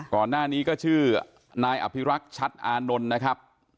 ก่อนหน้านี้ก็ชื่อนายอภิรักษ์ชัดอานนท์นะครับ